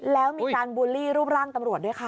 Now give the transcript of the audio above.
แล้วมีการบูลลี่รูปร่างตำรวจด้วยค่ะ